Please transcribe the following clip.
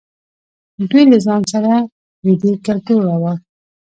دوی له ځان سره ویدي کلتور راوړ.